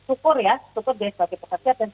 syukur ya syukur dia sebagai pekerja dan